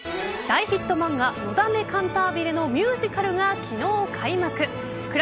大ヒット漫画のだめカンタービレのミュージカルが昨日開幕。